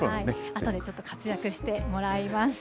あとで、ちょっと活躍してもらいます。